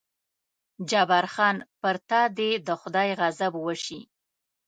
جبار خان: پر تا دې د خدای غضب وشي.